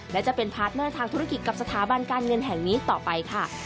และจะเป็นพาร์ทเนอร์ทางธุรกิจกับสถาบันการเงินแห่งนี้ต่อไปค่ะ